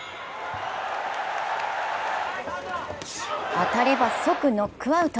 当たれば即ノックアウト。